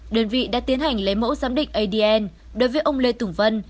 đơn vị đã tiến hành lấy mẫu giám định adn đối với ông lê tùng vân